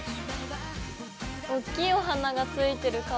おっきいお花が付いてる！